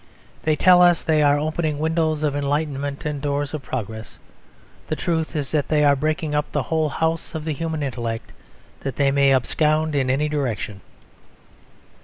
They tell us they are opening windows of enlightenment and doors of progress. The truth is that they are breaking up the whole house of the human intellect, that they may abscond in any direction.